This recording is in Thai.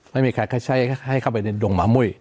ไม่มีใครให้เข้าไปในดงหมามุ้ย